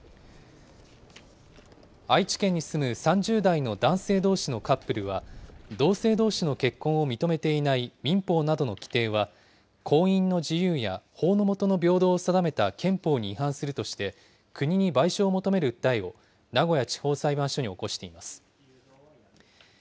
愛知県に住む３０代の男性どうしのカップルは、同性どうしの結婚を認めていない民法などの規定は婚姻の自由や法の下の平等を定めた憲法に違反するとして、国に賠償を求める訴えを名古屋地方裁判所に起こしています。